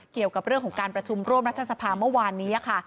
เกี่ยวกับเรื่องของการประชุมร่วมรัฐสภาเมื่อวานนี้ค่ะ